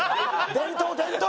伝統伝統！